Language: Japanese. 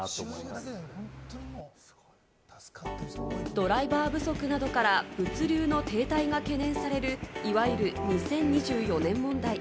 ドライバー不足などから物流の停滞が懸念される、いわゆる２０２４年問題。